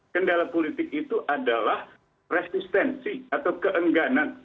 kendala politik itu adalah resistensi atau keengganan